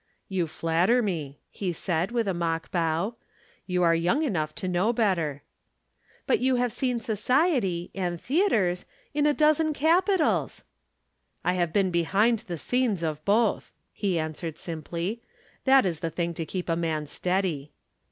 "You flatter me," he said with a mock bow; "you are young enough to know better." "But you have seen Society (and theatres) in a dozen capitals!" "I have been behind the scenes of both," he answered simply. "That is the thing to keep a man steady."